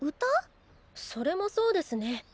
それもそうですね。